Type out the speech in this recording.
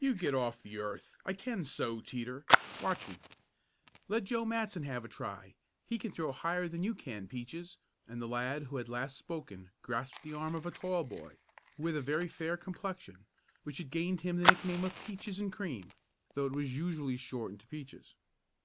"You get off the earth; I can so, Teeter. Watch me." "Let Joe Matson have a try. He can throw higher than you can, Peaches," and the lad who had last spoken grasped the arm of a tall boy, with a very fair complexion which had gained him the nickname of "Peaches and Cream," though it was usually shortened to "Peaches."